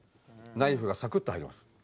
ナイフがサクッと入ります。